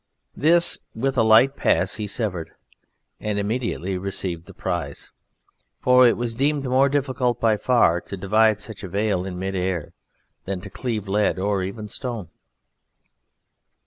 This, with a light pass, he severed, and immediately received the prize. For it was deemed more difficult by far to divide such a veil in mid air, than to cleave lead or even stone.